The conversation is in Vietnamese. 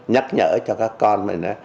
nhắc nhở cho các con mình